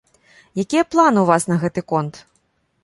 Якія планы ў вас на гэты конт?